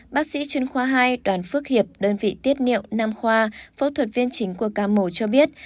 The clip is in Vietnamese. bác sĩ chuyên khoa hai đoàn phước hiệp đơn vị tiết niệu nam khoa phẫu thuật viên chính của ca mổ cho biết